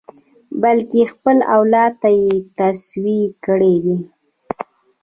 بلکې خپل اولاد ته یې توصیې کړې دي.